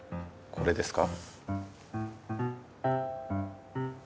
これですか？